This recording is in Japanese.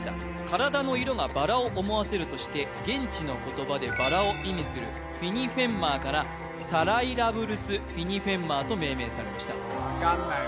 体の色がバラを思わせるとして現地の言葉でバラを意味するフィニフェンマーからサライラブルス・フィニフェンマーと命名されました分かんない